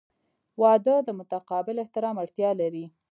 • واده د متقابل احترام اړتیا لري.